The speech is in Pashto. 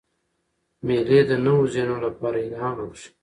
مېلې د نوو ذهنونو له پاره الهام بخښي.